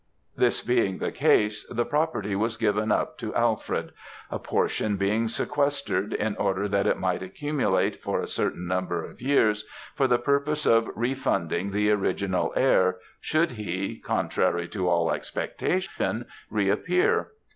"This being the case, the property was given up to Alfred; a portion being sequestered, in order that it might accumulate for a certain number of years, for the purpose of refunding the original heir, should he contrary to all expectation reappear.